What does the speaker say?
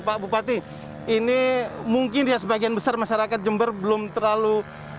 pak bupati ini mungkin ya sebagian besar masyarakat jember belum terlalu